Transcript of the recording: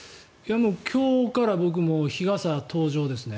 今日から僕も日傘、登場ですね。